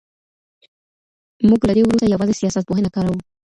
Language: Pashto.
موږ له دې وروسته يوازي سياست پوهنه کاروو.